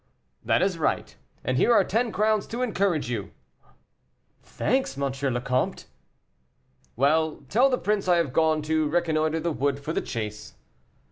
"That is right, and here are ten crowns to encourage you." "Thanks, M. le Comte." "Well, tell the prince I have gone to reconnoiter the wood for the chase."